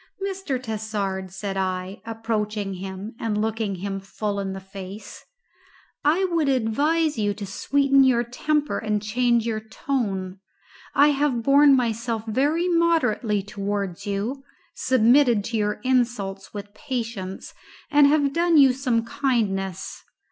"Mr. Tassard," said I, approaching him and looking him full in the face, "I would advise you to sweeten your temper and change your tone. I have borne myself very moderately towards you, submitted to your insults with patience, and have done you some kindness.